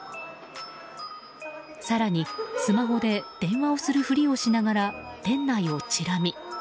更に、スマホで電話をするふりをしながら店内をちら見。